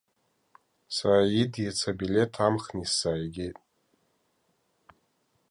Сааид иацы абилеҭ амхны исзааигеит.